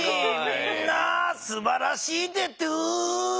みんなすばらしいでトゥー！